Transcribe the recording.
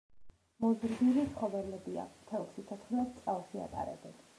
მოზრდილი ცხოველებია, მთელ სიცოცხლეს წყალში ატარებენ.